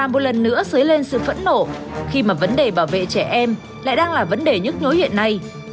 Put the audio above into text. một lần nữa dấy lên sự phẫn nổ khi mà vấn đề bảo vệ trẻ em lại đang là vấn đề nhức nhối hiện nay